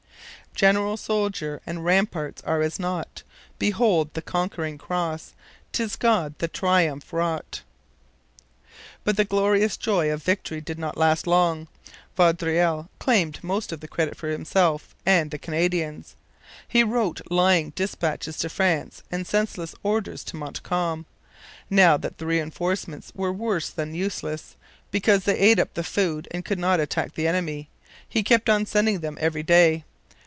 'General, soldier, and ramparts are as naught! Behold the conquering Cross! 'Tis God the triumph wrought!' But the glorious joy of victory did not last long. Vaudreuil claimed most of the credit for himself and the Canadians. He wrote lying dispatches to France and senseless orders to Montcalm. Now that reinforcements were worse than useless, because they ate up the food and could not attack the enemy, he kept on sending them every day.